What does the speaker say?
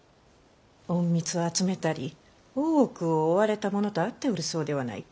隠密を集めたり大奥を追われた者と会っておるそうではないか！